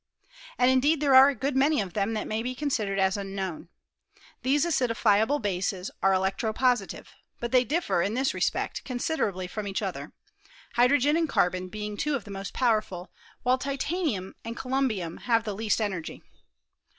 And indeed there are a good many of them that may be considered as unknown. These aciditiablebases are all electro positive ; but they differ, in this respect, con siderably from each other ; hydrogen and carbon being two of the most powerful, while titanium and coiumbium have the least energy.